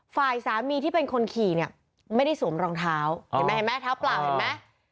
ฝ่ายสามีที่เป็นคนขี่ไม่ได้สวมรองเท้าเห็นไหมแถวเปล่าเห็นไหม